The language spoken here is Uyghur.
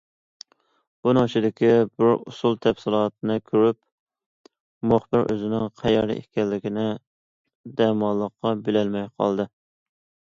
بۇنىڭ ئىچىدىكى بىر ئۇسسۇل تەپسىلاتىنى كۆرۈپ، مۇخبىر ئۆزىنىڭ قەيەردە ئىكەنلىكىنى دەماللىققا بىلەلمەي قالدى.